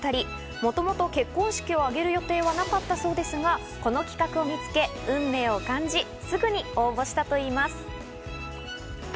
もともと結婚式を挙げる予定はなかったそうですが、この企画を見つけ運命を感じ、すぐに応募したといいます。